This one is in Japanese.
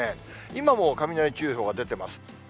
今も雷注意報が出てます。